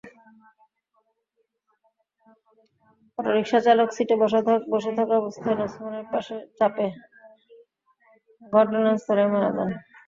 অটোরিকশার চালক সিটে বসে থাকা অবস্থায় নছিমনের চাপে ঘটনাস্থলেই মারা যান।